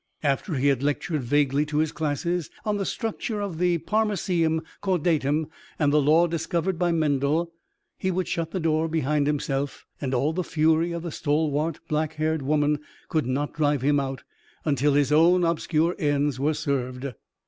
After he had lectured vaguely to his classes on the structure of the Paramecium caudatum and the law discovered by Mendel, he would shut the door behind himself, and all the fury of the stalwart, black haired woman could not drive him out until his own obscure ends were served.